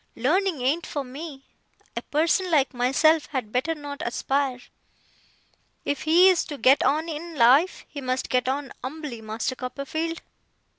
Learning ain't for me. A person like myself had better not aspire. If he is to get on in life, he must get on umbly, Master Copperfield!